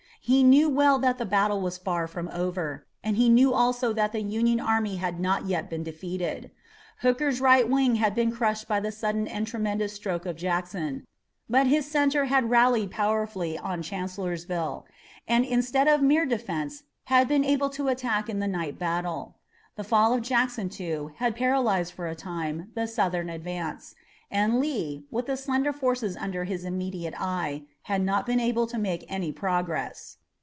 He knew well that the battle was far from over, and he knew also that the Union army had not yet been defeated. Hooker's right wing had been crushed by the sudden and tremendous stroke of Jackson, but his center had rallied powerfully on Chancellorsville, and instead of a mere defense had been able to attack in the night battle. The fall of Jackson, too, had paralyzed for a time the Southern advance, and Lee, with the slender forces under his immediate eye, had not been able to make any progress.